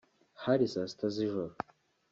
Hari saa sita z’ijoro